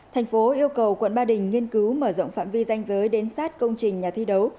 thành phố yêu cầu quận ba đình nghiên cứu mở rộng phạm vi danh giới đến sát công trình nhà thi đấu